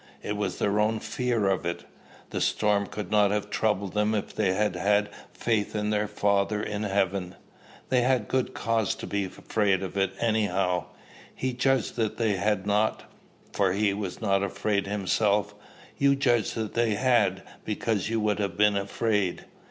It was their own fear of it. The storm could not have troubled them if they had had faith in their Father in heaven." "They had good cause to be afraid of it, anyhow." "He judged they had not, for he was not afraid himself. You judge they had, because you would have been afraid."